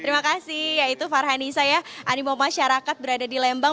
terima kasih ya itu farhani saya animo masyarakat berada di lembang